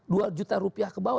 dua juta rupiah ke bawah